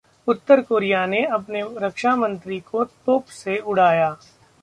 उत्तर Korea ने अपने रक्षा मंत्री को तोप से उड़ाया